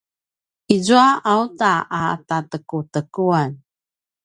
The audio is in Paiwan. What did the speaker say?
izua auta a tatekutekuan